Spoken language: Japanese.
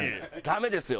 ダメですよ。